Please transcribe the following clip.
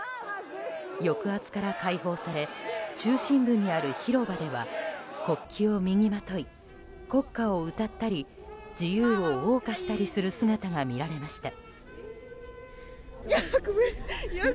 抑圧から解放され中心部にある広場では国旗を身にまとい国歌を歌ったり自由を謳歌したりする姿が見られました。